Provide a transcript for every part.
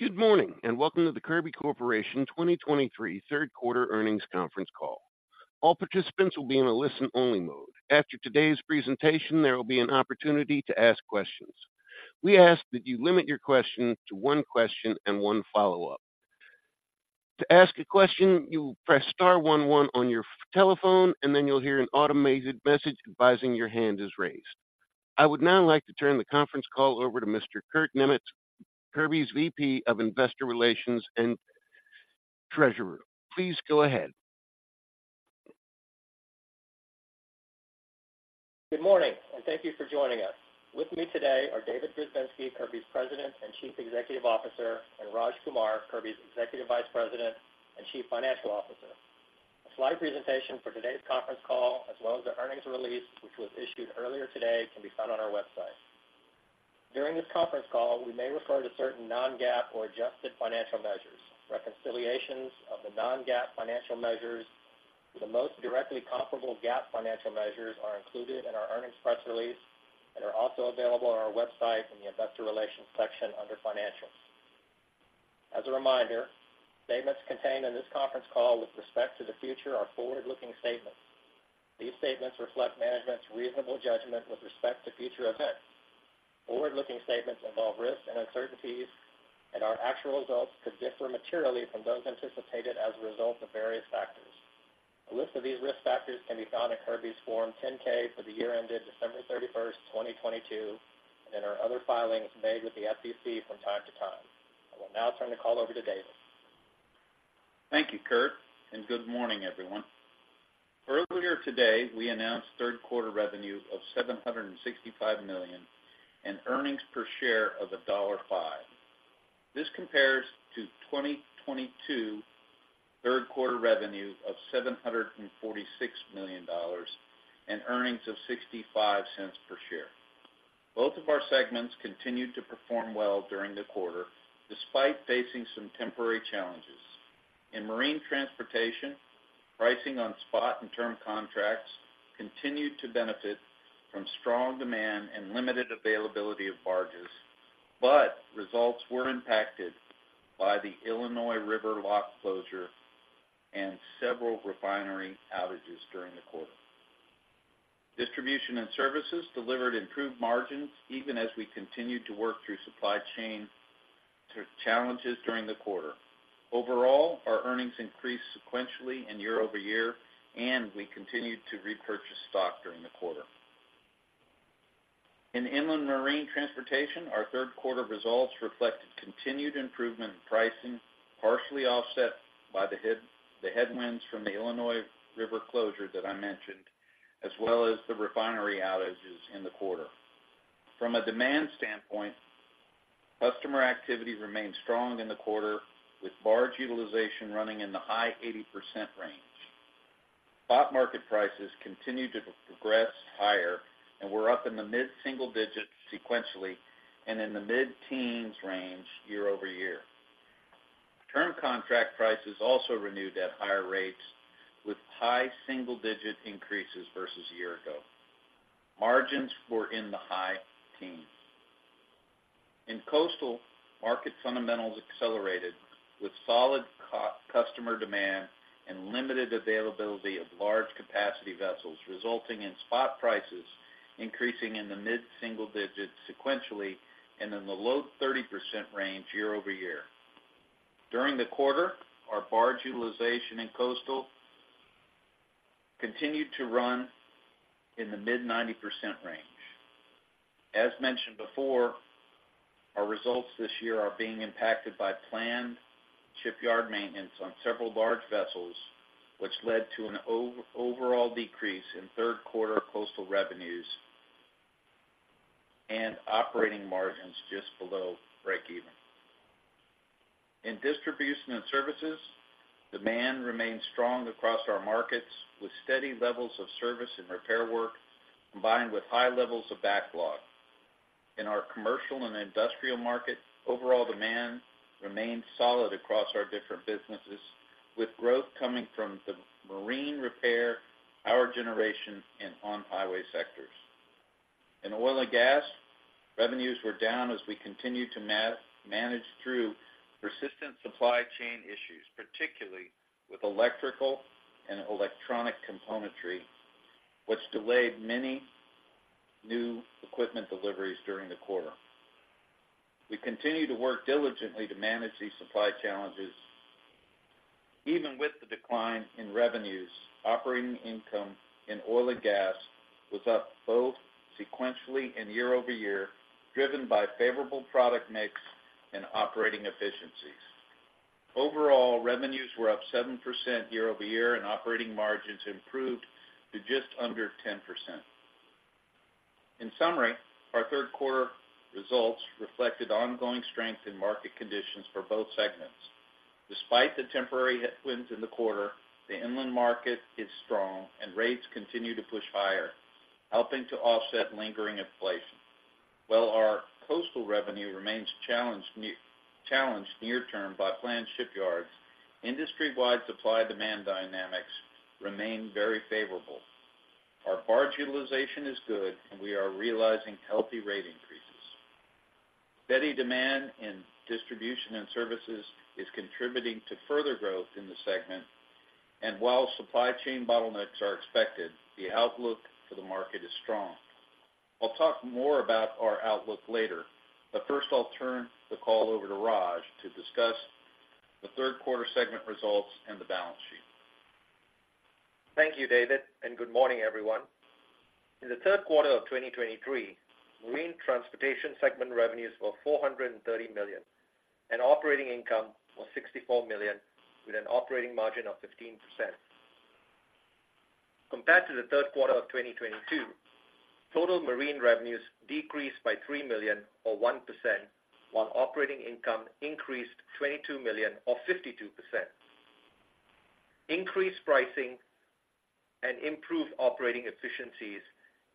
Good morning, and welcome to the Kirby Corporation 2023 third quarter earnings conference call. All participants will be in a listen-only mode. After today's presentation, there will be an opportunity to ask questions. We ask that you limit your question to one question and one follow-up. To ask a question, you press star one one on your telephone, and then you'll hear an automated message advising your hand is raised. I would now like to turn the conference call over to Mr. Kurt Niemietz, Kirby's VP of Investor Relations and Treasurer. Please go ahead. Good morning, and thank you for joining us. With me today are David Grzebinski, Kirby's President and Chief Executive Officer, and Raj Kumar, Kirby's Executive Vice President and Chief Financial Officer. A slide presentation for today's conference call, as well as the earnings release, which was issued earlier today, can be found on our website. During this conference call, we may refer to certain non-GAAP or adjusted financial measures. Reconciliations of the non-GAAP financial measures to the most directly comparable GAAP financial measures are included in our earnings press release and are also available on our website in the Investor Relations section under Financials. As a reminder, statements contained in this conference call with respect to the future are forward-looking statements. These statements reflect management's reasonable judgment with respect to future events. Forward-looking statements involve risks and uncertainties, and our actual results could differ materially from those anticipated as a result of various factors. A list of these risk factors can be found in Kirby's Form 10-K for the year ended December 31, 2022, and in our other filings made with the SEC from time to time. I will now turn the call over to David. Thank you, Kurt, and good morning, everyone. Earlier today, we announced third quarter revenue of $765 million and earnings per share of $1.05. This compares to 2022 third quarter revenue of $746 million and earnings of $0.65 per share. Both of our segments continued to perform well during the quarter, despite facing some temporary challenges. In marine transportation, pricing on spot and term contracts continued to benefit from strong demand and limited availability of barges, but results were impacted by the Illinois River lock closure and several refinery outages during the quarter. Distribution and services delivered improved margins, even as we continued to work through supply chain challenges during the quarter. Overall, our earnings increased sequentially and year-over-year, and we continued to repurchase stock during the quarter. In inland marine transportation, our third quarter results reflected continued improvement in pricing, partially offset by the headwinds from the Illinois River closure that I mentioned, as well as the refinery outages in the quarter. From a demand standpoint, customer activity remained strong in the quarter, with barge utilization running in the high 80% range. Spot market prices continued to progress higher and were up in the mid-single digits sequentially and in the mid-teens range year-over-year. Term contract prices also renewed at higher rates, with high single-digit increases versus a year ago. Margins were in the high teens. In coastal, market fundamentals accelerated with solid customer demand and limited availability of large capacity vessels, resulting in spot prices increasing in the mid-single digits sequentially and in the low 30% range year-over-year. During the quarter, our barge utilization in coastal continued to run in the mid-90% range. As mentioned before, our results this year are being impacted by planned shipyard maintenance on several large vessels, which led to an overall decrease in third quarter coastal revenues and operating margins just below breakeven. In distribution and services, demand remains strong across our markets, with steady levels of service and repair work, combined with high levels of backlog. In our commercial and industrial market, overall demand remains solid across our different businesses, with growth coming from the marine repair, power generation, and on-highway sectors. In oil and gas, revenues were down as we continued to manage through persistent supply chain issues, particularly with electrical and electronic componentry, which delayed many new equipment deliveries during the quarter. We continue to work diligently to manage these supply challenges. Even with the decline in revenues, operating income in oil and gas was up both sequentially and year-over-year, driven by favorable product mix and operating efficiencies. Overall, revenues were up 7% year-over-year, and operating margins improved to just under 10%. In summary, our third quarter results reflected ongoing strength in market conditions for both segments. Despite the temporary headwinds in the quarter, the inland market is strong, and rates continue to push higher, helping to offset lingering inflation. While our coastal revenue remains challenged near-term by planned shipyards, industry-wide supply-demand dynamics remain very favorable. Our barge utilization is good, and we are realizing healthy rate increases. Steady demand in distribution and services is contributing to further growth in the segment, and while supply chain bottlenecks are expected, the outlook for the market is strong. I'll talk more about our outlook later, but first, I'll turn the call over to Raj to discuss the third quarter segment results and the balance sheet. Thank you, David, and good morning, everyone. In the third quarter of 2023, Marine Transportation segment revenues were $430 million, and operating income was $64 million, with an operating margin of 15%. Compared to the third quarter of 2022, total marine revenues decreased by $3 million or 1%, while operating income increased $22 million or 52%. Increased pricing and improved operating efficiencies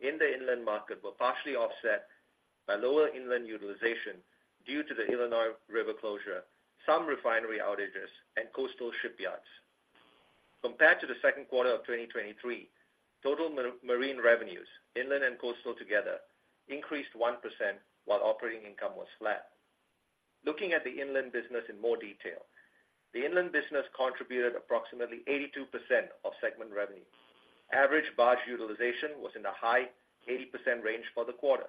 in the inland market were partially offset by lower inland utilization due to the Illinois River closure, some refinery outages, and coastal shipyards. Compared to the second quarter of 2023, total marine revenues, inland and coastal together, increased 1%, while operating income was flat. Looking at the inland business in more detail, the inland business contributed approximately 82% of segment revenue. Average barge utilization was in the high 80% range for the quarter.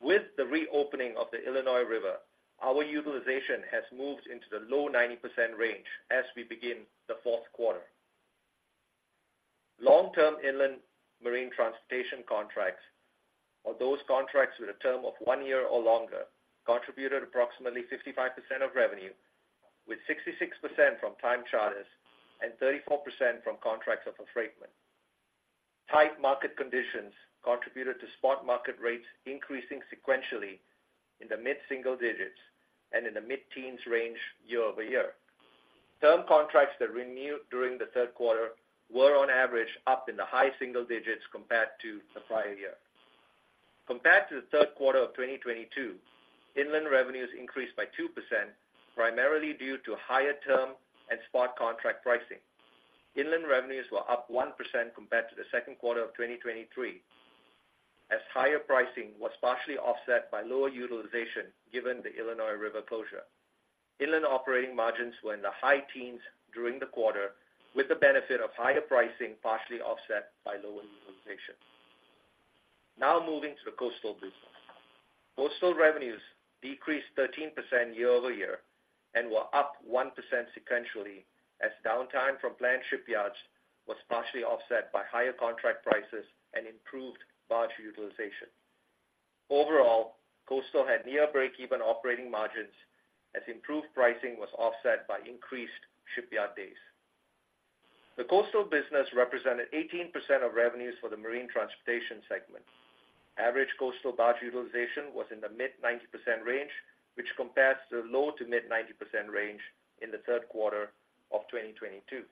With the reopening of the Illinois River, our utilization has moved into the low 90% range as we begin the fourth quarter. Long-term inland marine transportation contracts, or those contracts with a term of one year or longer, contributed approximately 55% of revenue, with 66% from time charters and 34% from contracts of affreightment. Tight market conditions contributed to spot market rates increasing sequentially in the mid-single digits and in the mid-teens range year-over-year. Term contracts that renewed during the third quarter were on average, up in the high single digits compared to the prior year. Compared to the third quarter of 2022, inland revenues increased by 2%, primarily due to higher term and spot contract pricing. Inland revenues were up 1% compared to the second quarter of 2023, as higher pricing was partially offset by lower utilization, given the Illinois River closure. Inland operating margins were in the high teens during the quarter, with the benefit of higher pricing, partially offset by lower utilization. Now moving to the coastal business. Coastal revenues decreased 13% year-over-year and were up 1% sequentially, as downtime from planned shipyards was partially offset by higher contract prices and improved barge utilization. Overall, coastal had near breakeven operating margins as improved pricing was offset by increased shipyard days. The coastal business represented 18% of revenues for the marine transportation segment. Average coastal barge utilization was in the mid-90% range, which compares to the low- to mid-90% range in the third quarter of 2022.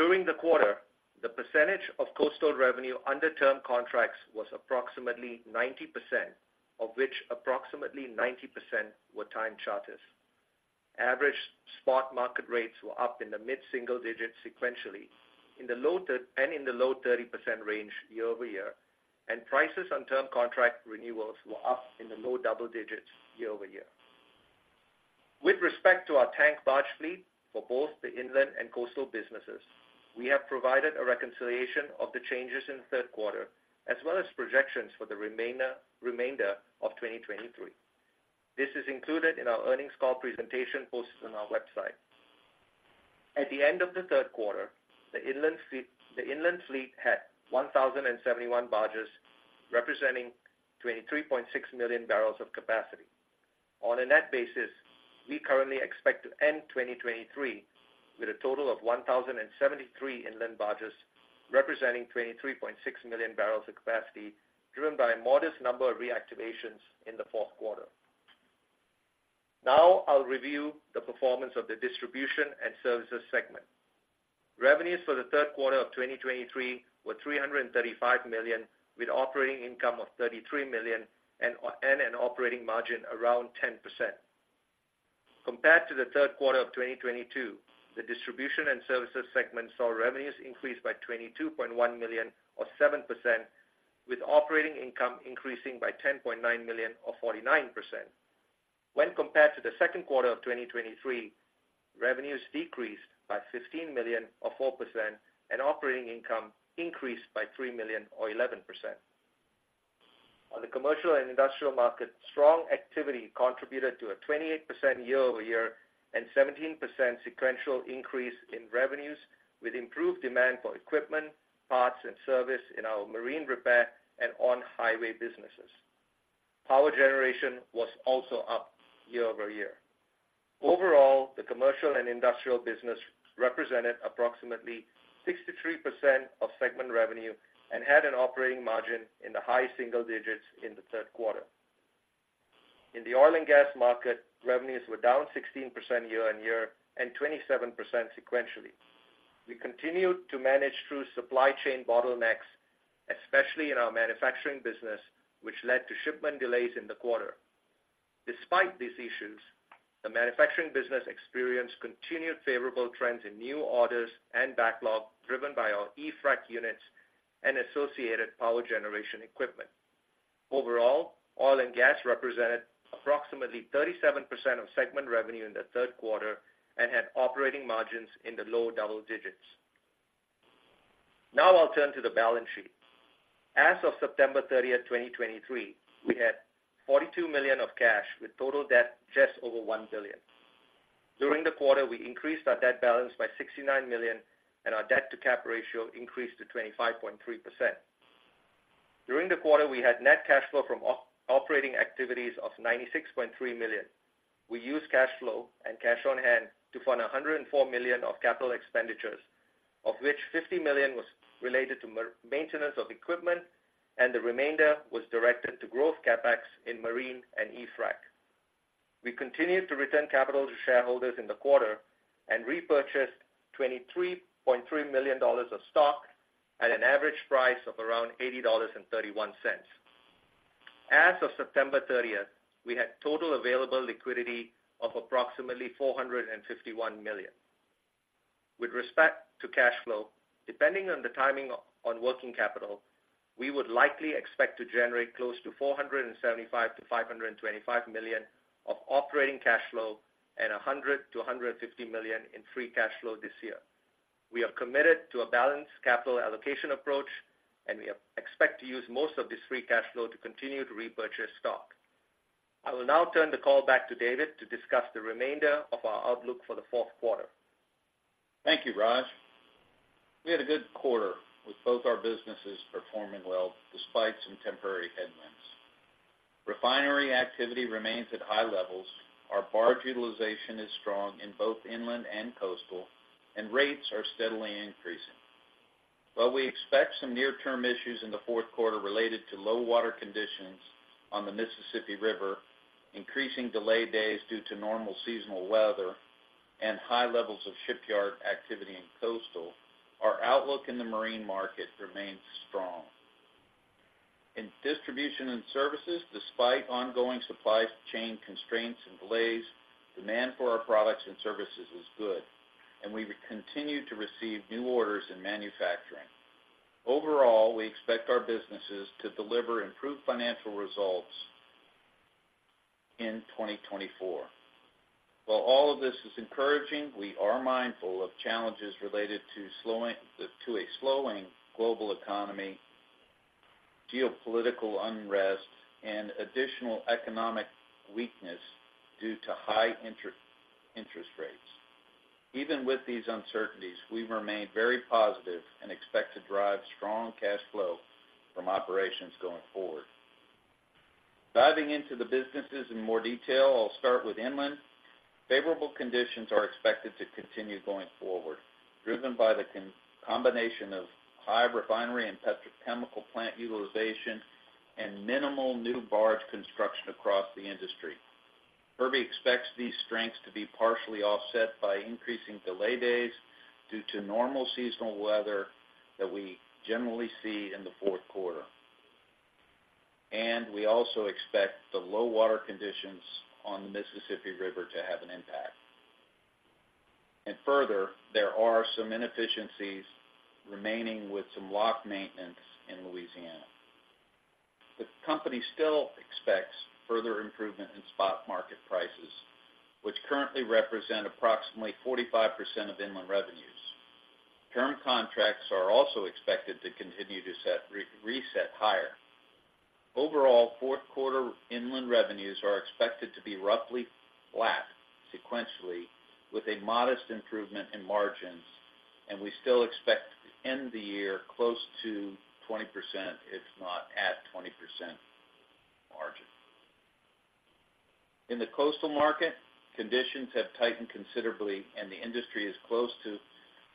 During the quarter, the percentage of coastal revenue under term contracts was approximately 90%, of which approximately 90% were time charters. Average spot market rates were up in the mid-single digits sequentially, in the low thirties and in the low 30% range year-over-year, and prices on term contract renewals were up in the low double digits year-over-year. With respect to our tank barge fleet for both the inland and coastal businesses, we have provided a reconciliation of the changes in the third quarter, as well as projections for the remainder of 2023. This is included in our earnings call presentation posted on our website. At the end of the third quarter, the inland fleet had 1,071 barges, representing 23.6 million bbl of capacity. On a net basis, we currently expect to end 2023 with a total of 1,073 inland barges, representing 23.6 million bbl of capacity, driven by a modest number of reactivations in the fourth quarter. Now I'll review the performance of the distribution and services segment. Revenues for the third quarter of 2023 were $335 million, with operating income of $33 million and an operating margin around 10%. Compared to the third quarter of 2022, the distribution and services segment saw revenues increase by $22.1 million, or 7%, with operating income increasing by $10.9 million or 49%. When compared to the second quarter of 2023, revenues decreased by $15 million or 4%, and operating income increased by $3 million or 11%. On the commercial and industrial market, strong activity contributed to a 28% year-over-year and 17% sequential increase in revenues, with improved demand for equipment, parts, and service in our marine repair and on-highway businesses. Power generation was also up year-over-year. Overall, the commercial and industrial business represented approximately 63% of segment revenue and had an operating margin in the high single digits in the third quarter. In the oil and gas market, revenues were down 16% year-over-year and 27% sequentially. We continued to manage through supply chain bottlenecks, especially in our manufacturing business, which led to shipment delays in the quarter. Despite these issues, the manufacturing business experienced continued favorable trends in new orders and backlog, driven by our e-frac units and associated power generation equipment. Overall, oil and gas represented approximately 37% of segment revenue in the third quarter and had operating margins in the low double digits. Now I'll turn to the balance sheet. As of September 30th, 2023, we had $42 million of cash, with total debt just over $1 billion. During the quarter, we increased our debt balance by $69 million, and our debt-to-cap ratio increased to 25.3%. During the quarter, we had net cash flow from operating activities of $96.3 million. We used cash flow and cash on hand to fund $104 million of capital expenditures, of which $50 million was related to maintenance of equipment, and the remainder was directed to growth CapEx in marine and e-frac. We continued to return capital to shareholders in the quarter and repurchased $23.3 million of stock at an average price of around $80.31. As of September 30th, we had total available liquidity of approximately $451 million. With respect to cash flow, depending on the timing on working capital, we would likely expect to generate close to $475 million-$525 million of operating cash flow and $100 million-$150 million in free cash flow this year. We are committed to a balanced capital allocation approach, and we expect to use most of this free cash flow to continue to repurchase stock. I will now turn the call back to David to discuss the remainder of our outlook for the fourth quarter. Thank you, Raj. We had a good quarter, with both our businesses performing well despite some temporary headwinds. Refinery activity remains at high levels, our barge utilization is strong in both inland and coastal, and rates are steadily increasing. While we expect some near-term issues in the fourth quarter related to low water conditions on the Mississippi River, increasing delay days due to normal seasonal weather, and high levels of shipyard activity in coastal, our outlook in the marine market remains strong. In distribution and services, despite ongoing supply chain constraints and delays, demand for our products and services is good, and we continue to receive new orders in manufacturing. Overall, we expect our businesses to deliver improved financial results in 2024. While all of this is encouraging, we are mindful of challenges related to a slowing global economy, geopolitical unrest, and additional economic weakness due to high interest rates. Even with these uncertainties, we remain very positive and expect to drive strong cash flow from operations going forward. Diving into the businesses in more detail, I'll start with inland. Favorable conditions are expected to continue going forward, driven by the combination of high refinery and petrochemical plant utilization and minimal new barge construction across the industry. Kirby expects these strengths to be partially offset by increasing delay days due to normal seasonal weather that we generally see in the fourth quarter. We also expect the low water conditions on the Mississippi River to have an impact. Further, there are some inefficiencies remaining with some lock maintenance in Louisiana. The company still expects further improvement in spot market prices, which currently represent approximately 45% of inland revenues. Current contracts are also expected to continue to set reset higher. Overall, fourth quarter inland revenues are expected to be roughly flat sequentially, with a modest improvement in margins, and we still expect to end the year close to 20%, if not at 20% margin. In the coastal market, conditions have tightened considerably, and the industry is close to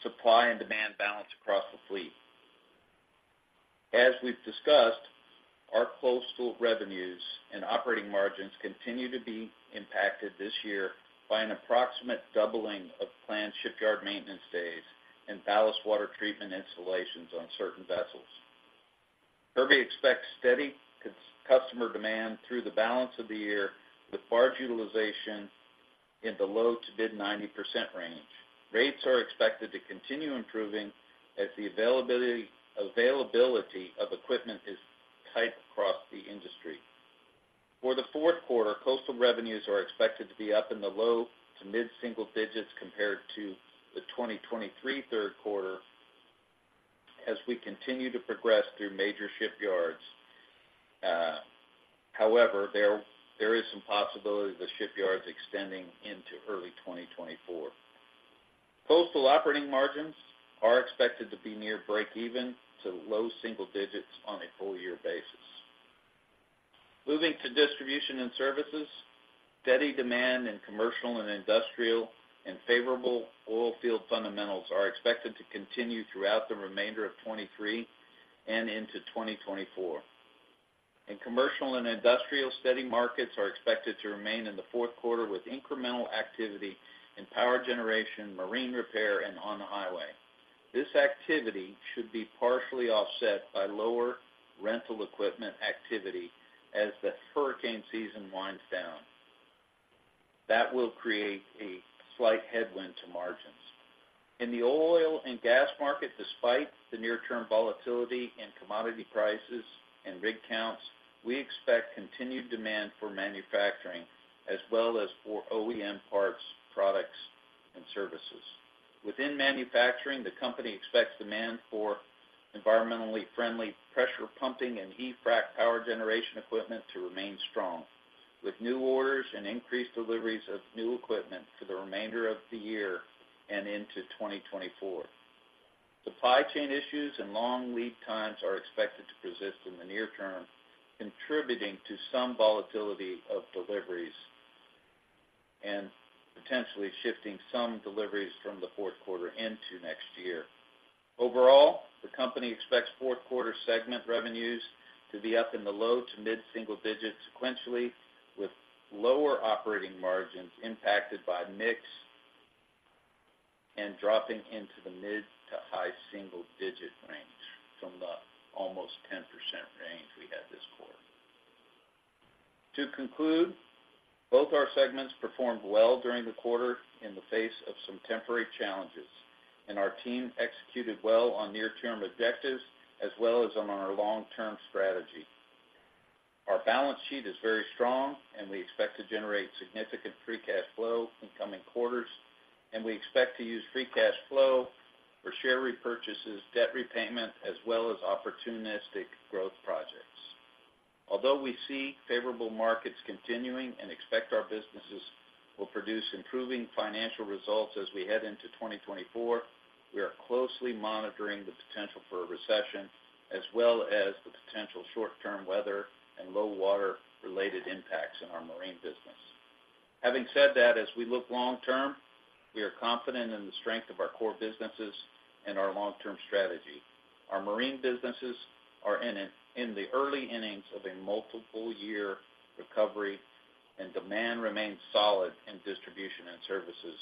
supply and demand balance across the fleet. As we've discussed, our coastal revenues and operating margins continue to be impacted this year by an approximate doubling of planned shipyard maintenance days and ballast water treatment installations on certain vessels. Kirby expects steady customer demand through the balance of the year, with barge utilization in the low- to mid-90% range. Rates are expected to continue improving as the availability of equipment is tight across the industry. For the fourth quarter, coastal revenues are expected to be up in the low- to mid-single digits compared to the 2023 third quarter as we continue to progress through major shipyards. However, there is some possibility of the shipyards extending into early 2024. Coastal operating margins are expected to be near breakeven to low single digits on a full year basis. Moving to distribution and services, steady demand in commercial and industrial, and favorable oil field fundamentals are expected to continue throughout the remainder of 2023 and into 2024. In commercial and industrial, steady markets are expected to remain in the fourth quarter, with incremental activity in power generation, marine repair, and on the highway. This activity should be partially offset by lower rental equipment activity as the hurricane season winds down. That will create a slight headwind to margins. In the oil and gas market, despite the near-term volatility in commodity prices and rig counts, we expect continued demand for manufacturing as well as for OEM parts, products, and services. Within manufacturing, the company expects demand for environmentally friendly pressure pumping and e-frac power generation equipment to remain strong, with new orders and increased deliveries of new equipment for the remainder of the year and into 2024. Supply chain issues and long lead times are expected to persist in the near term, contributing to some volatility of deliveries and potentially shifting some deliveries from the fourth quarter into next year. Overall, the company expects fourth quarter segment revenues to be up in the low- to mid-single digits sequentially, with lower operating margins impacted by mix and dropping into the mid- to high-single-digit range from the almost 10% range we had this quarter. To conclude, both our segments performed well during the quarter in the face of some temporary challenges, and our team executed well on near-term objectives as well as on our long-term strategy. Our balance sheet is very strong, and we expect to generate significant free cash flow in coming quarters, and we expect to use free cash flow for share repurchases, debt repayment, as well as opportunistic growth projects. Although we see favorable markets continuing and expect our businesses will produce improving financial results as we head into 2024, we are closely monitoring the potential for a recession, as well as the potential short-term weather and low water related impacts in our marine business. Having said that, as we look long term, we are confident in the strength of our core businesses and our long-term strategy. Our marine businesses are in the early innings of a multiple year recovery, and demand remains solid in distribution and services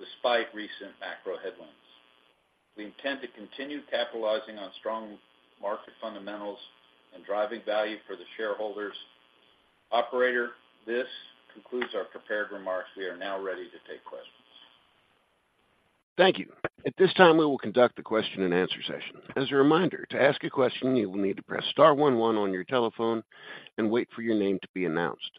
despite recent macro headwinds. We intend to continue capitalizing on strong market fundamentals and driving value for the shareholders. Operator, this concludes our prepared remarks. We are now ready to take questions. Thank you. At this time, we will conduct a question-and-answer session. As a reminder, to ask a question, you will need to press star one one on your telephone and wait for your name to be announced.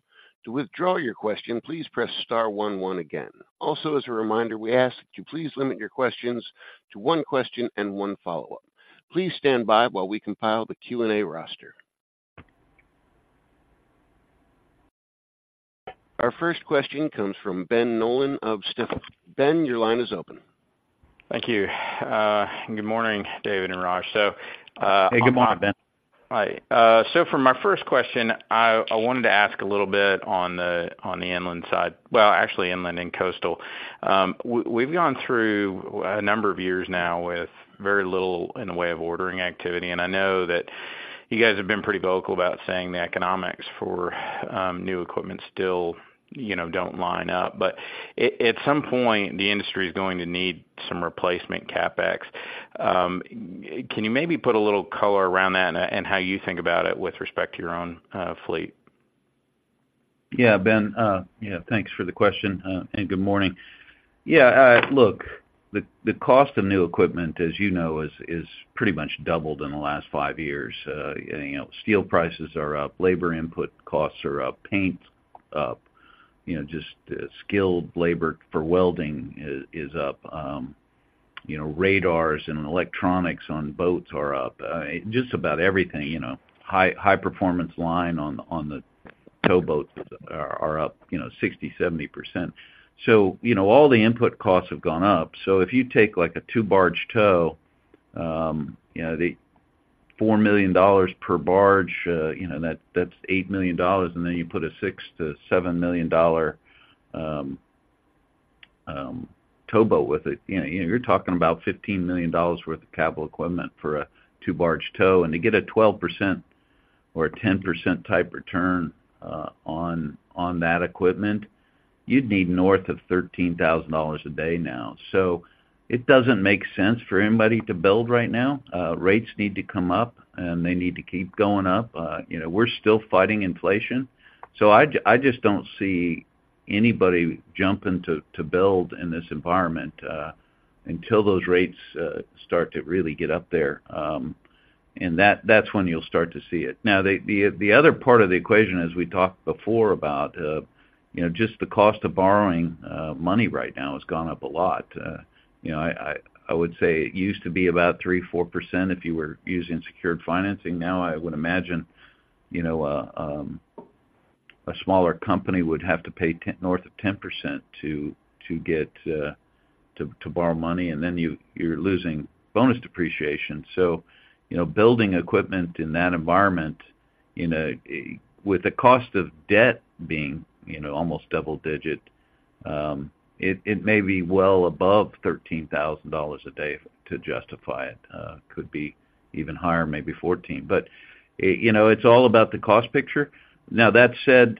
To withdraw your question, please press star one one again. Also, as a reminder, we ask that you please limit your questions to one question and one follow-up. Please stand by while we compile the Q&A roster. Our first question comes from Ben Nolan of Stifel. Ben, your line is open. Thank you. Good morning, David and Raj. So... Hey, good morning, Ben. Hi. So for my first question, I wanted to ask a little bit on the inland side, well, actually, inland and coastal. We've gone through a number of years now with very little in the way of ordering activity, and I know that you guys have been pretty vocal about saying the economics for new equipment still, you know, don't line up. But at some point, the industry is going to need some replacement CapEx. Can you maybe put a little color around that and how you think about it with respect to your own fleet? Yeah, Ben, yeah, thanks for the question, and good morning. Yeah, look, the cost of new equipment, as you know, is pretty much doubled in the last five years. You know, steel prices are up, labor input costs are up, paint up, you know, just skilled labor for welding is up. You know, radars and electronics on boats are up. Just about everything, you know, high performance line on the tow boats are up, you know, 60%-70%. So, you know, all the input costs have gone up. So if you take, like, a two barge tow, you know, the $4 million per barge, you know, that, that's $8 million, and then you put a $6 million-$7 million dollar tow boat with it, you know, you're talking about $15 million worth of capital equipment for a two barge tow. And to get a 12% or a 10% type return, on that equipment, you'd need north of $13,000 a day now. So it doesn't make sense for anybody to build right now. Rates need to come up, and they need to keep going up. You know, we're still fighting inflation, so I just don't see anybody jumping to build in this environment, until those rates start to really get up there, and that's when you'll start to see it. Now, the other part of the equation, as we talked before about, you know, just the cost of borrowing money right now has gone up a lot. You know, I would say it used to be about 3%-4% if you were using secured financing. Now, I would imagine, you know, a smaller company would have to pay north of 10% to get to borrow money, and then you're losing bonus depreciation. So, you know, building equipment in that environment, you know, with the cost of debt being, you know, almost double-digit, it may be well above $13,000 a day to justify it. You know, it could be even higher, maybe $14,000. But you know, it's all about the cost picture. Now, that said,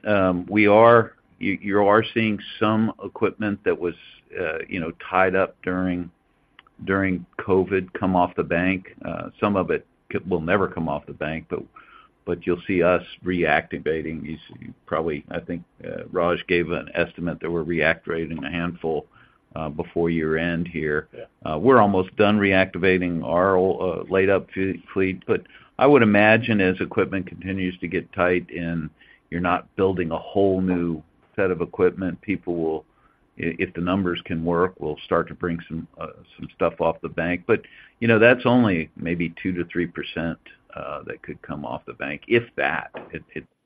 we are. You are seeing some equipment that was, you know, tied up during COVID come off the bank. Some of it will never come off the bank, but you'll see us reactivating these, probably, I think, Raj gave an estimate that we're reactivating a handful before year-end here. We're almost done reactivating our laid-up fleet. But I would imagine as equipment continues to get tight, and you're not building a whole new set of equipment, people will, if the numbers can work, will start to bring some, some stuff off the bank. But, you know, that's only maybe 2%-3%, that could come off the bank, if that.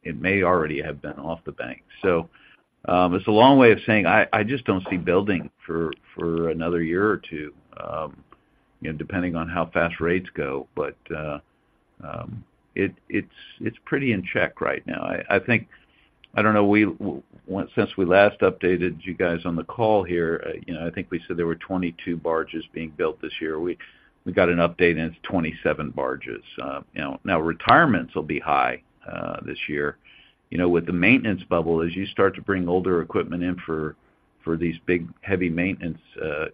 It may already have been off the bank. So, it's a long way of saying I just don't see building for another year or two, you know, depending on how fast rates go. But, it, it's pretty in check right now. I think, I don't know, since we last updated you guys on the call here, you know, I think we said there were 22 barges being built this year. We got an update, and it's 27 barges. You know, now retirements will be high this year. You know, with the maintenance Bubble, as you start to bring older equipment in for these big, heavy maintenance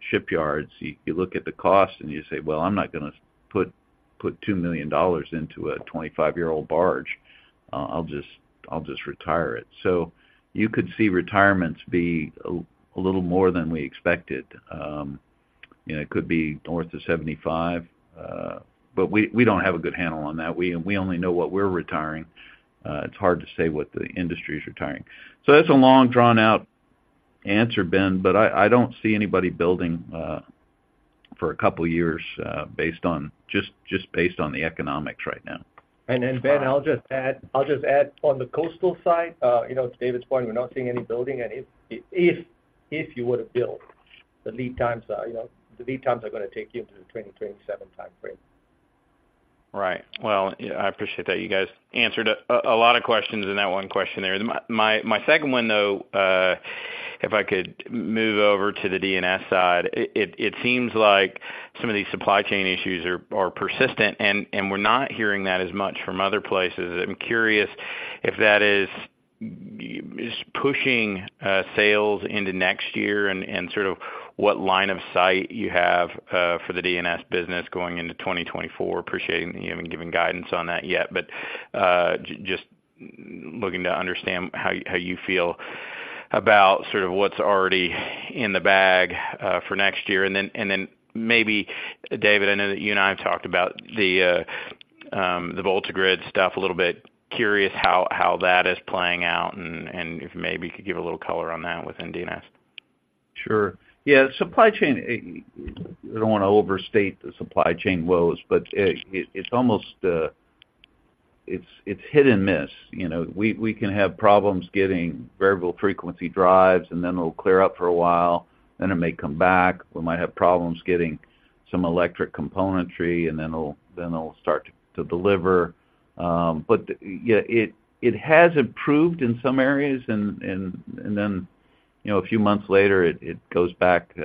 shipyards, you look at the cost, and you say, "Well, I'm not gonna put $2 million into a 25-year-old barge. I'll just retire it." So you could see retirements be a little more than we expected. You know, it could be north of 75, but we don't have a good handle on that. We only know what we're retiring. It's hard to say what the industry is retiring. So that's a long, drawn-out answer, Ben, but I don't see anybody building for a couple of years based on the economics right now. Ben, I'll just add, on the coastal side, you know, to David's point, we're not seeing any building. And if you were to build, the lead times are, you know, the lead times are gonna take you into the 2027 time frame. Right. Well, yeah, I appreciate that. You guys answered a lot of questions in that one question there. My second one, though, if I could move over to the D&S side. It seems like some of these supply chain issues are persistent, and we're not hearing that as much from other places. I'm curious if that is pushing sales into next year and sort of what line of sight you have for the D&S business going into 2024. Appreciating that you haven't given guidance on that yet, but just looking to understand how you feel about sort of what's already in the bag for next year. And then maybe, David, I know that you and I have talked about the VoltaGrid stuff a little bit. Curious how that is playing out and if maybe you could give a little color on that within D&S. Sure. Yeah, supply chain, I don't want to overstate the supply chain woes, but, it's almost, it's hit and miss, you know? We can have problems getting variable frequency drives, and then it'll clear up for a while, then it may come back. We might have problems getting some electric componentry, and then it'll start to deliver. But, yeah, it has improved in some areas, and then, you know, a few months later, it goes back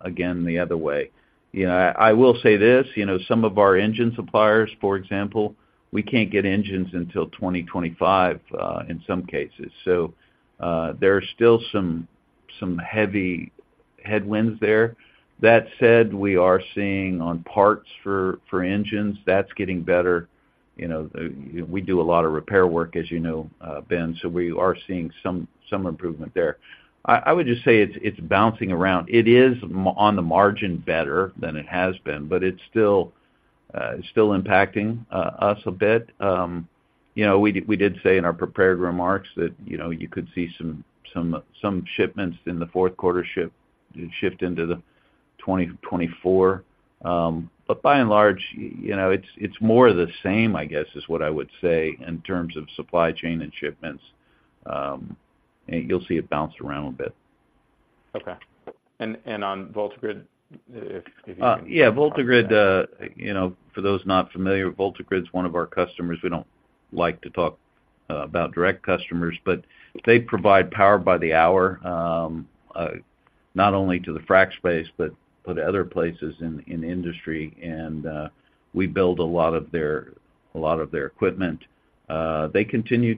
again, the other way. You know, I will say this, you know, some of our engine suppliers, for example, we can't get engines until 2025, in some cases. So, there are still some heavy headwinds there. That said, we are seeing on parts for engines, that's getting better. You know, we do a lot of repair work, as you know, Ben, so we are seeing some improvement there. I would just say it's bouncing around. It is on the margin better than it has been, but it's still impacting us a bit. You know, we did say in our prepared remarks that you could see some shipments in the fourth quarter ship into 2024. But by and large, you know, it's more of the same, I guess, is what I would say, in terms of supply chain and shipments. And you'll see it bounce around a bit. Okay. And on VoltaGrid, if you can... Yeah, VoltaGrid, you know, for those not familiar, VoltaGrid's one of our customers. We don't like to talk about direct customers, but they provide power by the hour, not only to the frack space, but to other places in industry, and we build a lot of their equipment. They continue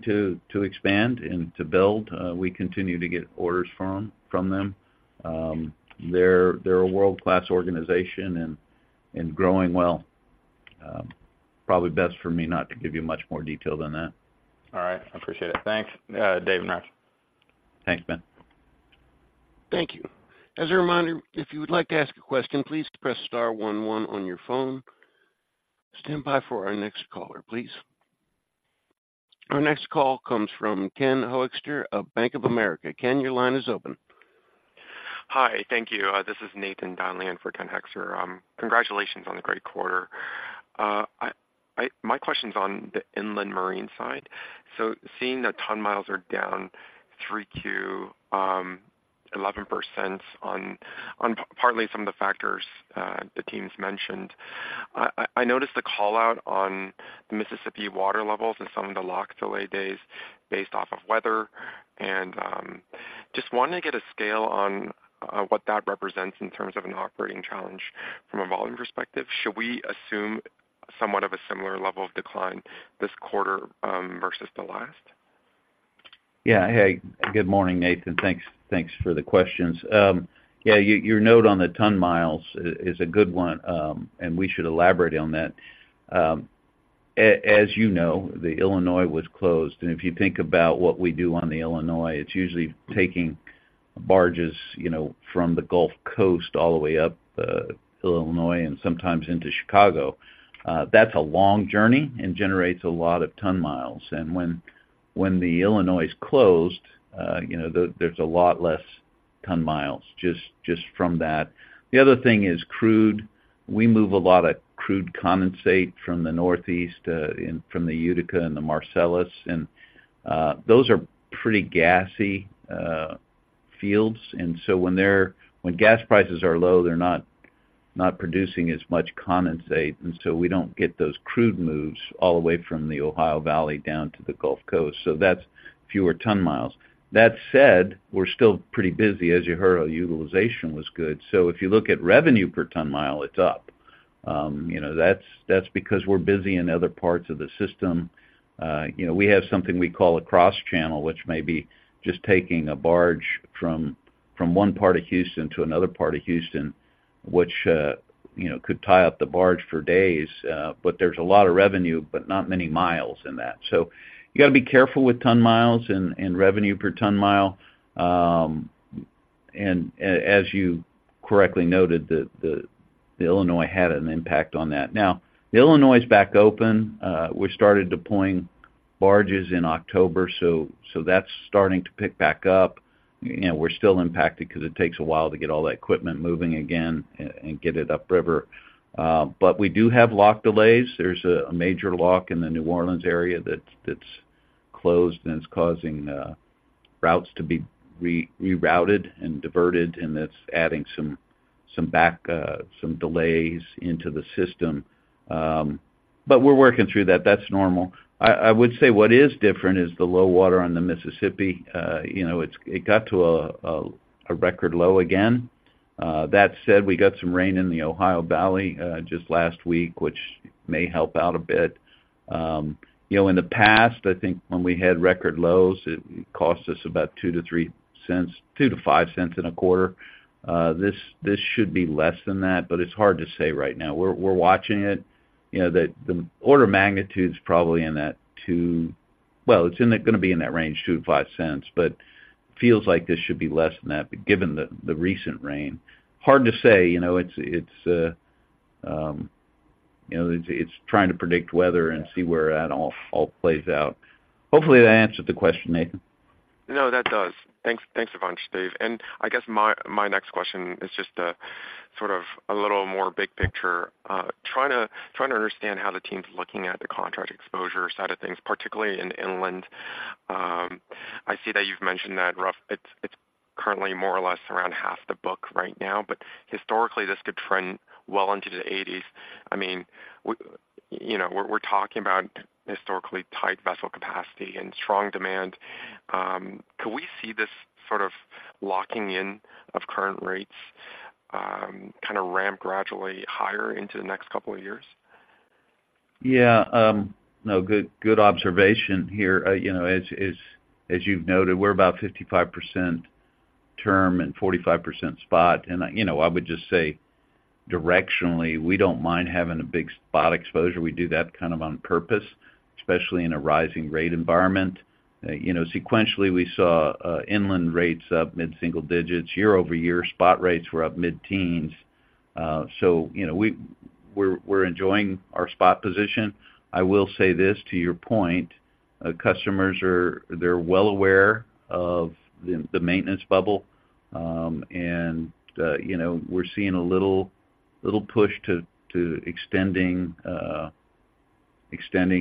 to expand and to build. We continue to get orders from them. They're a world-class organization and growing well. Probably best for me not to give you much more detail than that. All right. I appreciate it. Thanks, Dave and Raj. Thanks, Ben. Thank you. As a reminder, if you would like to ask a question, please press star one one on your phone. Stand by for our next caller, please. Our next call comes from Ken Hoexter of Bank of America. Ken, your line is open. Hi, thank you. This is [Nathan Donlan] for Ken Hoexter. Congratulations on the great quarter. My question's on the inland marine side. So seeing that ton miles are down 3Q 11% on partly some of the factors the teams mentioned, I noticed the call-out on the Mississippi water levels and some of the lock delay days based off of weather. Just wanting to get a scale on what that represents in terms of an operating challenge from a volume perspective. Should we assume somewhat of a similar level of decline this quarter versus the last? Yeah. Hey, good morning, Nathan. Thanks, thanks for the questions. Yeah, your note on the ton miles is a good one, and we should elaborate on that. As you know, the Illinois was closed, and if you think about what we do on the Illinois, it's usually taking barges, you know, from the Gulf Coast all the way up Illinois, and sometimes into Chicago. That's a long journey and generates a lot of ton miles. And when the Illinois is closed, you know, there's a lot less ton miles just from that. The other thing is crude. We move a lot of crude condensate from the Northeast, from the Utica and the Marcellus, and those are pretty gassy fields. And so when gas prices are low, they're not, not producing as much condensate, and so we don't get those crude moves all the way from the Ohio Valley down to the Gulf Coast, so that's fewer ton miles. That said, we're still pretty busy. As you heard, our utilization was good. So if you look at revenue per ton mile, it's up. You know, that's because we're busy in other parts of the system. You know, we have something we call a cross channel, which may be just taking a barge from one part of Houston to another part of Houston, which you know, could tie up the barge for days. But there's a lot of revenue, but not many miles in that. So you got to be careful with ton miles and revenue per ton mile. And as you correctly noted, the Illinois had an impact on that. Now, the Illinois is back open. We started deploying barges in October, so that's starting to pick back up. You know, we're still impacted because it takes a while to get all that equipment moving again and get it upriver. But we do have lock delays. There's a major lock in the New Orleans area that's closed, and it's causing routes to be re-rerouted and diverted, and that's adding some back, some delays into the system. But we're working through that. That's normal. I would say what is different is the low water on the Mississippi. You know, it got to a record low again. That said, we got some rain in the Ohio Valley just last week, which may help out a bit. You know, in the past, I think when we had record lows, it cost us about $0.02-$0.03, $0.02-$0.05 in a quarter. This should be less than that, but it's hard to say right now. We're watching it. You know, the order of magnitude is probably in that $0.02, well, it's gonna be in that range, $0.02-$0.05, but feels like this should be less than that, but given the recent rain, hard to say. You know, it's trying to predict weather and see where that all plays out. Hopefully, that answered the question, Nathan. No, that does. Thanks, thanks a bunch, Dave And I guess my next question is just a sort of a little more big picture. Trying to understand how the team's looking at the contract exposure side of things, particularly in inland. I see that you've mentioned that roughly, it's currently more or less around half the book right now, but historically, this could trend well into the eighties. I mean, we, you know, we're talking about historically tight vessel capacity and strong demand. Could we see this sort of locking in of current rates, kind of ramp gradually higher into the next couple of years? Yeah, no, good, good observation here. You know, as you've noted, we're about 55% term and 45% spot. You know, I would just say, directionally, we don't mind having a big spot exposure. We do that kind of on purpose, especially in a rising rate environment. You know, sequentially, we saw inland rates up mid-single digits. Year-over-year, spot rates were up mid-teens. So, you know, we're enjoying our spot position. I will say this, to your point, customers are they're well aware of the maintenance bubble. And, you know, we're seeing a little push to extending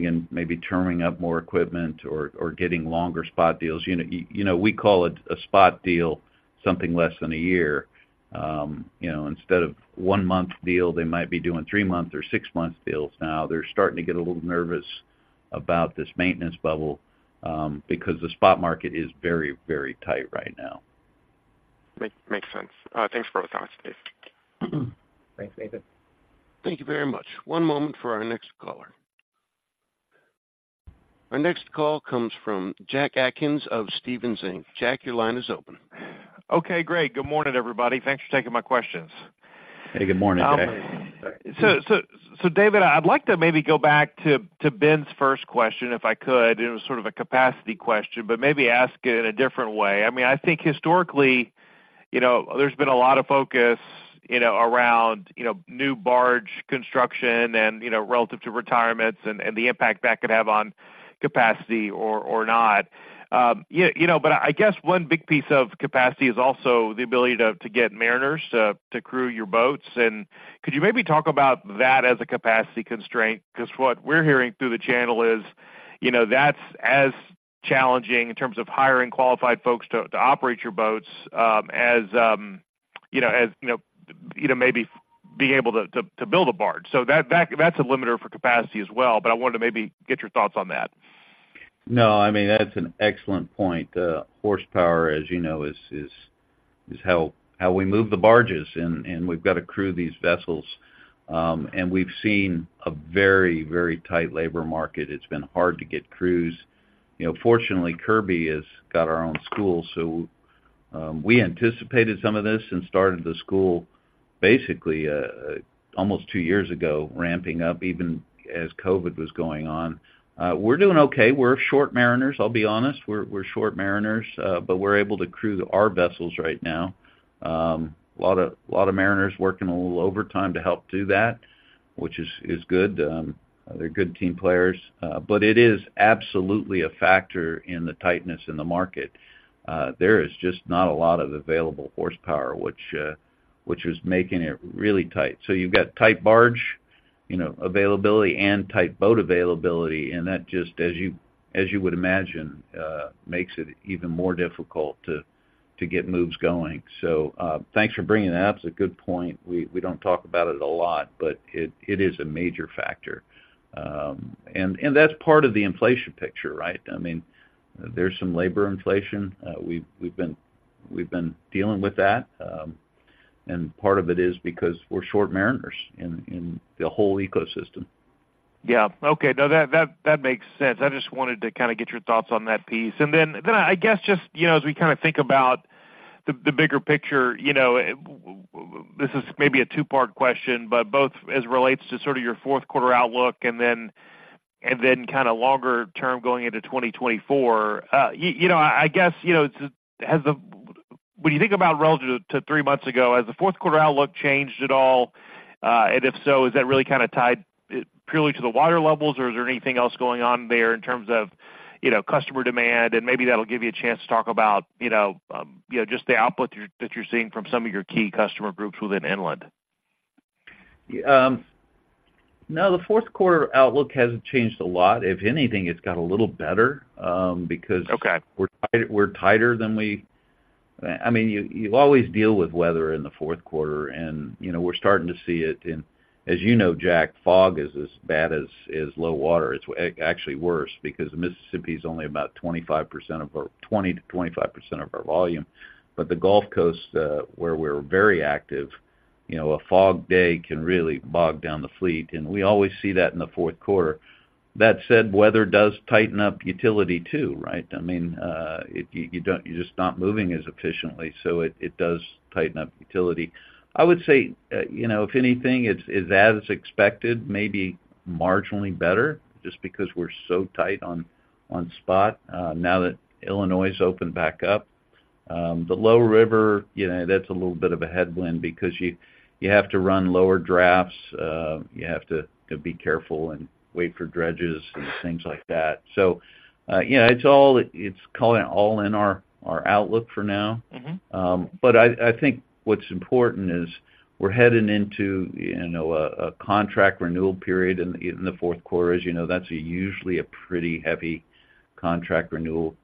and maybe terming up more equipment or getting longer spot deals. You know, we call it a spot deal, something less than a year. You know, instead of 1-month deal, they might be doing 3-month or 6-month deals now. They're starting to get a little nervous about this maintenance bubble, because the spot market is very, very tight right now. Makes sense. Thanks for the time, Dave. Thanks, Nathan. Thank you very much. One moment for our next caller. Our next call comes from Jack Atkins of Stephens Inc. Jack, your line is open. Okay, great. Good morning, everybody. Thanks for taking my questions. Hey, good morning, Jack. So, David, I'd like to maybe go back to Ben's first question, if I could. It was sort of a capacity question, but maybe ask it in a different way. I mean, I think historically, you know, there's been a lot of focus, you know, around, you know, new barge construction and, you know, relative to retirements and the impact that could have on capacity or not. Yeah, you know, but I guess one big piece of capacity is also the ability to get mariners to crew your boats. And could you maybe talk about that as a capacity constraint? Because what we're hearing through the channel is, you know, that's as challenging in terms of hiring qualified folks to operate your boats as, you know, maybe being able to build a barge. So that's a limiter for capacity as well, but I wanted to maybe get your thoughts on that. No, I mean, that's an excellent point. Horsepower, as you know, is how we move the barges, and we've got to crew these vessels. And we've seen a very, very tight labor market. It's been hard to get crews. You know, fortunately, Kirby has got our own school, so we anticipated some of this and started the school basically almost two years ago, ramping up even as COVID was going on. We're doing okay. We're short mariners, I'll be honest, we're short mariners, but we're able to crew our vessels right now. A lot of mariners working a little overtime to help do that, which is good. They're good team players, but it is absolutely a factor in the tightness in the market. There is just not a lot of available horsepower, which, which is making it really tight. So you've got tight barge, you know, availability and tight boat availability, and that just as you, as you would imagine, makes it even more difficult to, to get moves going. So, thanks for bringing it up. It's a good point. We don't talk about it a lot, but it is a major factor. And that's part of the inflation picture, right? I mean, there's some labor inflation. We've been dealing with that, and part of it is because we're short mariners in the whole ecosystem. Yeah. Okay. No, that makes sense. I just wanted to kind of get your thoughts on that piece. And then I guess just, you know, as we kind of think about the bigger picture, you know, this is maybe a two-part question, but both as relates to sort of your fourth quarter outlook and then kind of longer term going into 2024. You know, I guess, you know, when you think about relative to three months ago, has the fourth quarter outlook changed at all? And if so, is that really kind of tied purely to the water levels, or is there anything else going on there in terms of, you know, customer demand? Maybe that'll give you a chance to talk about, you know, you know, just the output that you're seeing from some of your key customer groups within inland. No, the fourth quarter outlook hasn't changed a lot. If anything, it's got a little better, because- Okay. We're tighter, we're tighter than we, I mean, you always deal with weather in the fourth quarter, and, you know, we're starting to see it in, as you know, Jack, fog is as bad as low water. It's actually worse because Mississippi is only about 25% of our, 20%-25% of our volume. But the Gulf Coast, where we're very active, you know, a fog day can really bog down the fleet, and we always see that in the fourth quarter. That said, weather does tighten up utility too, right? I mean, you don't, you're just not moving as efficiently, so it does tighten up utility. I would say, you know, if anything, it's as expected, maybe marginally better, just because we're so tight on spot now that Illinois' opened back up. The low river, you know, that's a little bit of a headwind because you have to run lower drafts, you have to be careful and wait for dredges and things like that. So, yeah, it's all in our outlook for now. But I think what's important is we're heading into, you know, a contract renewal period in the fourth quarter. As you know, that's usually a pretty heavy contract renewal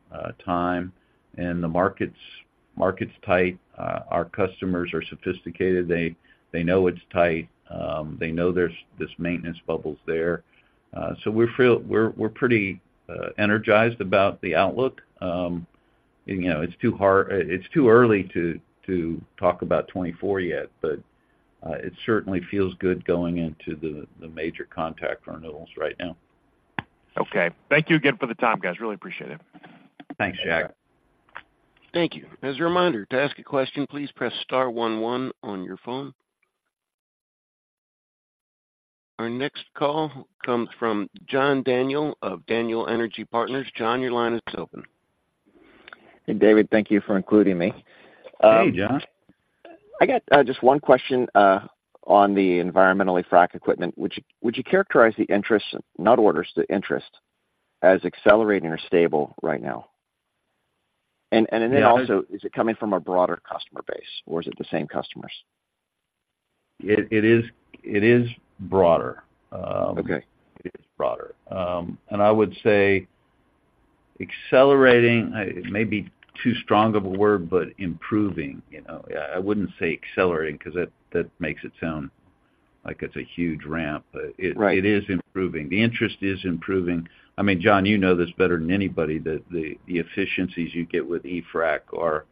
time, and the market's tight. Our customers are sophisticated. They know it's tight. They know there's this maintenance bubble's there. So we're pretty energized about the outlook. You know, it's too early to talk about 2024 yet, but it certainly feels good going into the major contract renewals right now. Okay. Thank you again for the time, guys. Really appreciate it. Thanks, Jack. Thank you. As a reminder, to ask a question, please press star one one on your phone. Our next call comes from John Daniel of Daniel Energy Partners. John, your line is open. Hey, David, thank you for including me. Hey, John. I got just one question on the environmental frac equipment. Would you, would you characterize the interest, not orders, the interest, as accelerating or stable right now? And then also- Yeah Is it coming from a broader customer base, or is it the same customers? It is broader. Okay. It is broader. And I would say accelerating may be too strong of a word, but improving, you know? I wouldn't say accelerating because that makes it sound like it's a huge ramp, but- Right It is improving. The interest is improving. I mean, John, you know this better than anybody, that the efficiencies you get with e-frac are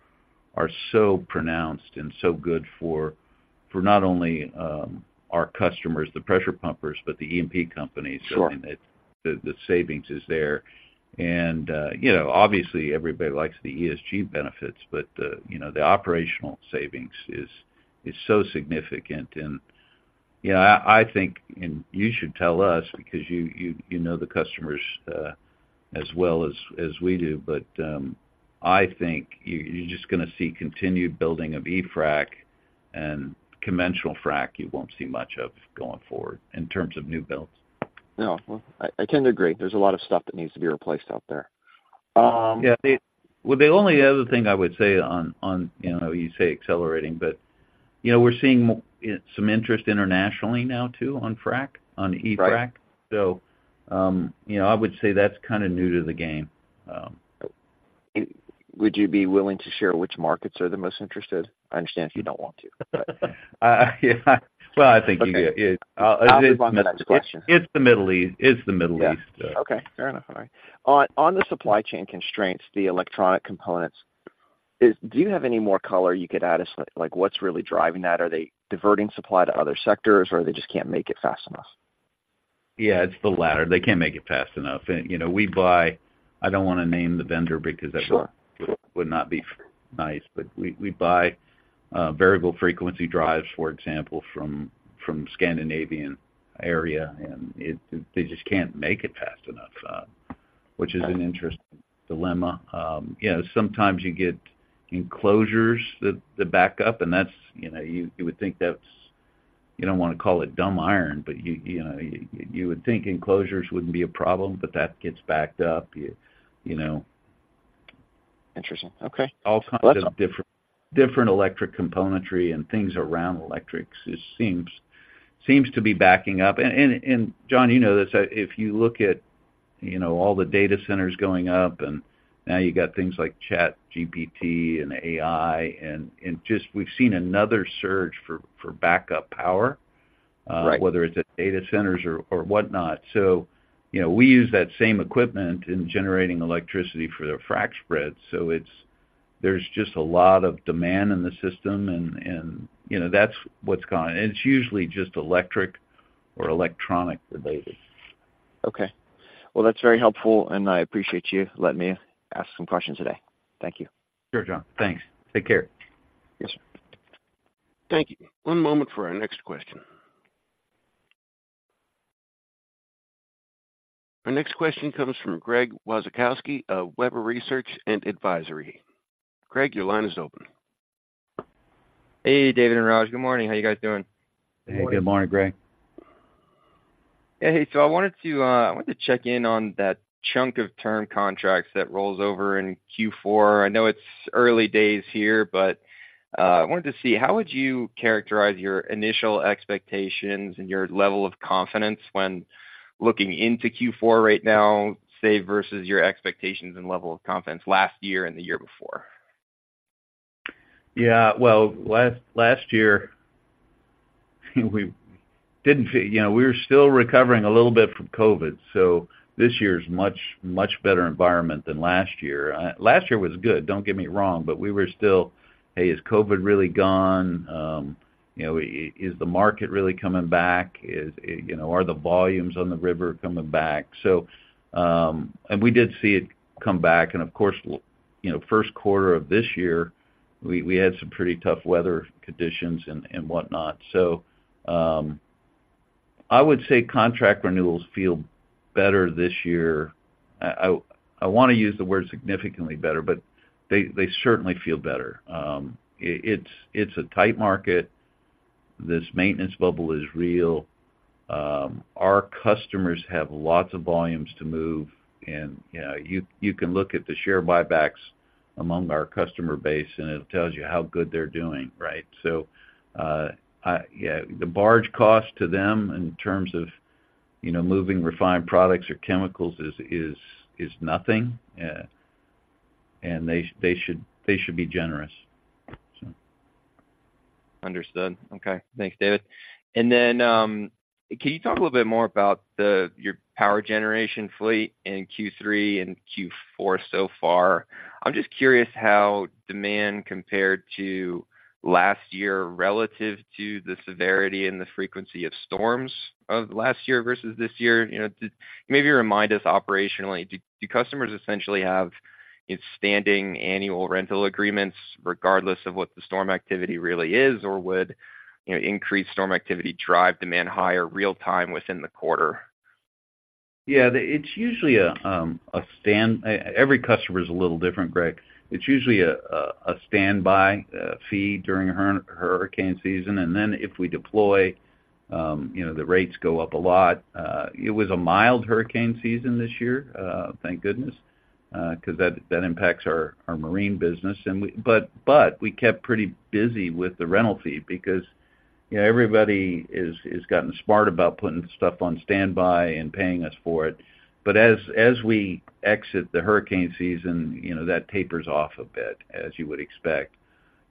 so pronounced and so good for not only our customers, the pressure pumpers, but the E&P companies. Sure. I mean, the savings is there. And you know, obviously, everybody likes the ESG benefits, but you know, the operational savings is so significant. And you know, I think, and you should tell us because you know the customers as well as we do, but I think you're just going to see continued building of e-frac and conventional frac, you won't see much of going forward in terms of new builds. No, I, I tend to agree. There's a lot of stuff that needs to be replaced out there. Yeah. Well, the only other thing I would say on, on, you know, you say accelerating, but, you know, we're seeing more, some interest internationally now too, on frac, on e-frac. Right. You know, I would say that's kind of new to the game. Would you be willing to share which markets are the most interested? I understand if you don't want to. Yeah. Well, I think you do. I'll move on to the next question. It's the Middle East. It's the Middle East. Yeah. Okay, fair enough. All right. On, on the supply chain constraints, the electronic components, do you have any more color you could add as to, like, what's really driving that? Are they diverting supply to other sectors, or they just can't make it fast enough? Yeah, it's the latter. They can't make it fast enough. And, you know, we buy. I don't wanna name the vendor because that- Sure Would not be nice. But we, we buy variable frequency drives, for example, from, from Scandinavian area, and it, they just can't make it fast enough, which is an interesting dilemma. You know, sometimes you get enclosures that, that back up, and that's, you know, you, you would think that's, you don't wanna call it dumb iron, but you, you know, you would think enclosures wouldn't be a problem, but that gets backed up, you know? Interesting. Okay. All kinds of different electric componentry and things around electrics, it seems to be backing up. And John, you know this, if you look at, you know, all the data centers going up, and now you got things like ChatGPT and AI, and just we've seen another surge for backup power- Right. Whether it's at data centers or whatnot. So, you know, we use that same equipment in generating electricity for the frac spreads, so it's, there's just a lot of demand in the system, and you know, that's what's gone. And it's usually just electric or electronic related. Okay. Well, that's very helpful, and I appreciate you letting me ask some questions today. Thank you. Sure, John. Thanks. Take care. Yes, sir. Thank you. One moment for our next question. Our next question comes from Greg Wasikowski of Webber Research and Advisory. Greg, your line is open. Hey, David and Raj. Good morning. How are you guys doing? Hey, good morning, Greg. Hey, so I wanted to check in on that chunk of term contracts that rolls over in Q4. I know it's early days here, but I wanted to see how would you characterize your initial expectations and your level of confidence when looking into Q4 right now, say, versus your expectations and level of confidence last year and the year before? Yeah, well, last year, we didn't see, you know, we were still recovering a little bit from COVID, so this year's much, much better environment than last year. Last year was good, don't get me wrong, but we were still "Hey, is COVID really gone? You know, is the market really coming back? Is, you know, are the volumes on the river coming back?" So, and we did see it come back, and of course, you know, first quarter of this year, we had some pretty tough weather conditions and whatnot. So, I would say contract renewals feel better this year. I want to use the word significantly better, but they certainly feel better. It's a tight market. This maintenance bubble is real. Our customers have lots of volumes to move, and, you know, you can look at the share buybacks among our customer base, and it tells you how good they're doing, right? So, the barge cost to them in terms of, you know, moving refined products or chemicals is nothing, and they should be generous, so. Understood. Okay. Thanks, David. And then, can you talk a little bit more about your power generation fleet in Q3 and Q4 so far? I'm just curious how demand compared to last year relative to the severity and the frequency of storms of last year versus this year. You know, maybe remind us operationally, do customers essentially have standing annual rental agreements regardless of what the storm activity really is? Or would, you know, increased storm activity drive demand higher real-time within the quarter? Yeah, every customer is a little different, Greg. It's usually a standby fee during hurricane season. And then if we deploy, you know, the rates go up a lot. It was a mild hurricane season this year, thank goodness, because that impacts our marine business. But we kept pretty busy with the rental fee because, you know, everybody has gotten smart about putting stuff on standby and paying us for it. But as we exit the hurricane season, you know, that tapers off a bit, as you would expect.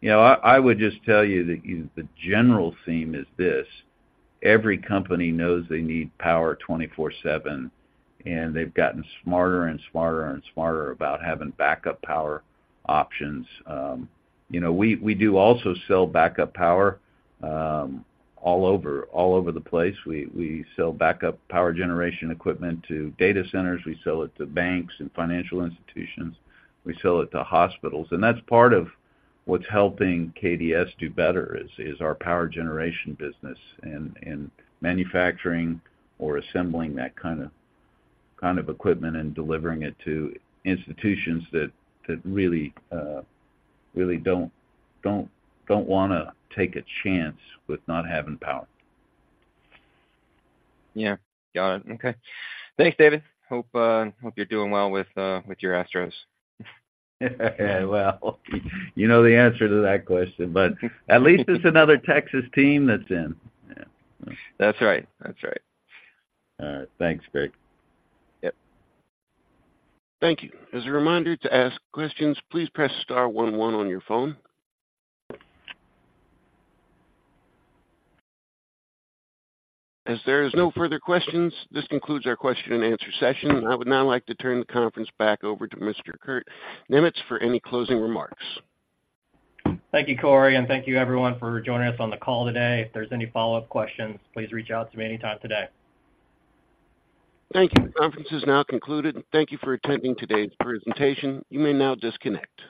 You know, I would just tell you that the general theme is this: every company knows they need power 24/7, and they've gotten smarter and smarter and smarter about having backup power options. You know, we do also sell backup power all over the place. We sell backup power generation equipment to data centers. We sell it to banks and financial institutions. We sell it to hospitals, and that's part of what's helping KDS do better, is our power generation business and manufacturing or assembling that kind of equipment and delivering it to institutions that really don't wanna take a chance with not having power. Yeah. Got it. Okay. Thanks, David. Hope you're doing well with your Astros. Well, you know the answer to that question, but at least it's another Texas team that's in. Yeah. That's right. That's right. All right. Thanks, Greg. Yep. Thank you. As a reminder to ask questions, please press star one one on your phone. As there is no further questions, this concludes our question and answer session. I would now like to turn the conference back over to Mr. Kurt Niemietz for any closing remarks. Thank you, Corey, and thank you everyone for joining us on the call today. If there's any follow-up questions, please reach out to me anytime today. Thank you. The conference is now concluded, and thank you for attending today's presentation. You may now disconnect.